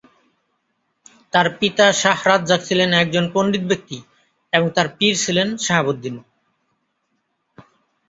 তাঁর পিতা শাহ্ রাজ্জাক ছিলেন একজন পন্ডিত ব্যক্তি এবং তাঁর পীর ছিলেন সাহাবুদ্দীন।